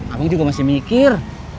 abang juga masih mikir